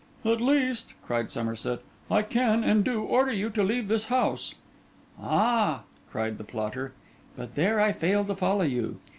'At least,' cried Somerset, 'I can, and do, order you to leave this house.' 'Ah!' cried the plotter, 'but there I fail to follow you.